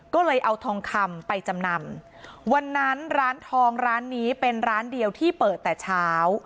ก็เลยเอาทองคำไปจำนำวันนั้นร้านทองร้านนี้เป็นร้านเดียวที่เปิดแต่เช้า